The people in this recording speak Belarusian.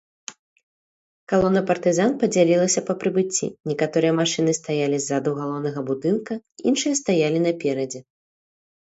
Калона партызан падзялілася па прыбыцці, некаторыя машыны стаялі ззаду галоўнага будынка, іншыя стаялі наперадзе.